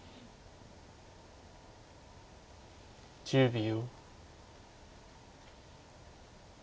１０秒。